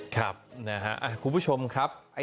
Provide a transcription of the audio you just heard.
ครับคุณผู้ชมครับ